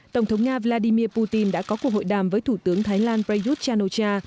tổng thống nga vladimir putin đã có cuộc hội đàm với thủ tướng thái lan prayuth chan o cha